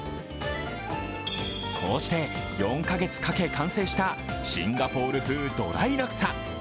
こうして４カ月かけ完成したシンガポール風ドライラクサ。